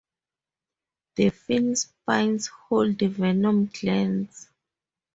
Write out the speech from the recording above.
The fin spines hold venom glands.